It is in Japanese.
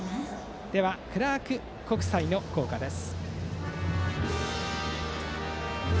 では、クラーク国際の校歌です。